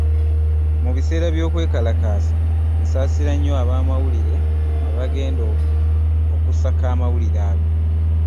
Mu biseera by'okwekalakaasa nsaasira nnyo abamawulire abagenda okusaka amawulire ago.